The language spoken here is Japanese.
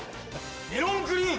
メロングリーン。